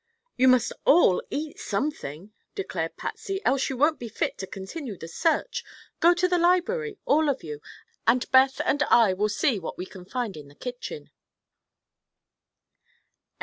"You must all eat something," declared Patsy, "else you won't be fit to continue the search. Go to the library—all of you—and Beth and I will see what we can find in the kitchen."